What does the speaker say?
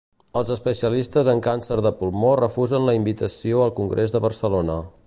Els especialistes en càncer de pulmó refusen la invitació al congrés de Barcelona